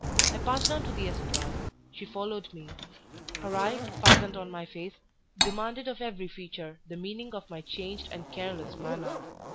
I passed on to the estrade, she followed me; her eye, fastened on my face, demanded of every feature the meaning of my changed and careless manner.